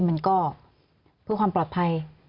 มันก็เพื่อความปลอดภัย